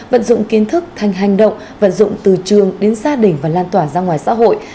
vận dụng kiến thức thành hành động vận dụng từ trường đến gia đình và lan tỏa ra ngoài xã hội